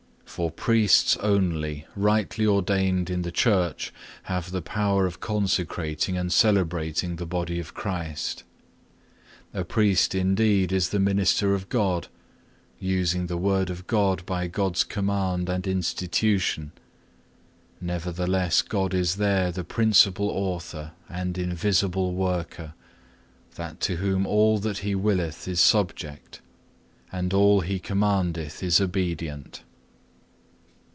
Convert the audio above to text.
For priests only, rightly ordained in the church, have the power of consecrating and celebrating the Body of Christ. The priest indeed is the minister of God, using the Word of God by God's command and institution; nevertheless God is there the principal Author and invisible Worker, that to whom all that He willeth is subject, and all He commandeth is obedient.